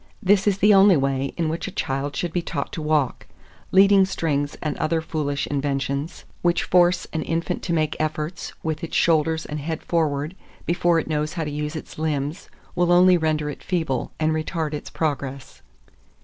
This is the only way in which a child should be taught to walk; leading strings and other foolish inventions, which force an infant to make efforts, with its shoulders and head forward, before it knows how to use its limbs, will only render it feeble, and retard its progress.